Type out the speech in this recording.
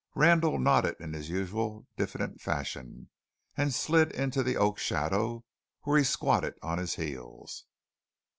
Randall nodded in his usual diffident fashion, and slid into the oak shadow, where he squatted on his heels.